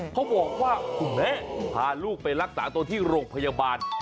เขาบอกว่าคุณแม่พาลูกไปรักษาตัวที่โรงพยาบาล